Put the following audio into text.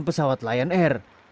dan pesawat lion air